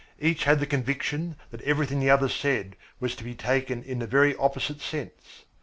Each had the conviction that everything the other said was to be taken in the very opposite sense.